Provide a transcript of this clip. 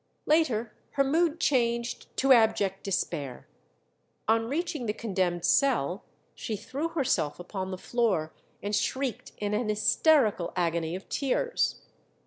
Later her mood changed to abject despair. On reaching the condemned cell she threw herself upon the floor and shrieked in an hysterical agony of tears.